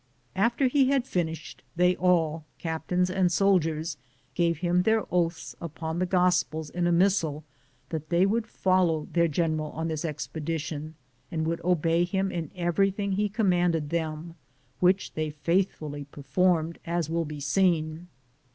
After he had finished, they all, both captains and soldiers, gave him their oaths upon the Gospels in a Mis sal that they would follow their general on this expedition and would obey him in everything he commanded them, which they faithfully performed, as will be seen.